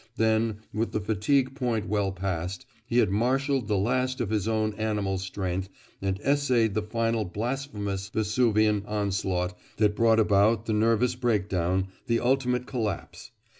Then, with the fatigue point well passed, he had marshaled the last of his own animal strength and essayed the final blasphemous Vesuvian onslaught that brought about the nervous breakdown, the ultimate collapse.